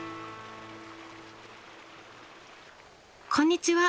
こんにちは。